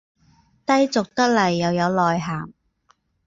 低俗得來又有內涵